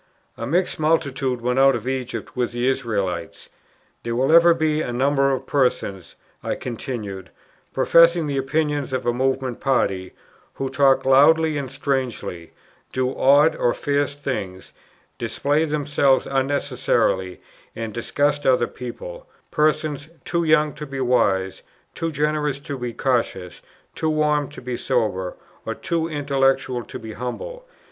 A mixed multitude went out of Egypt with the Israelites." "There will ever be a number of persons," I continued, "professing the opinions of a movement party, who talk loudly and strangely, do odd or fierce things, display themselves unnecessarily, and disgust other people; persons, too young to be wise, too generous to be cautious, too warm to be sober, or too intellectual to be humble.